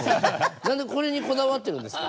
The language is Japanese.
何でこれにこだわってるんですか？